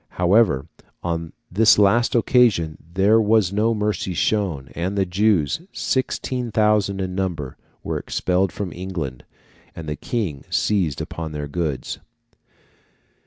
However, on this last occasion there was no mercy shown, and the Jews, sixteen thousand in number, were expelled from England, and the King seized upon their goods.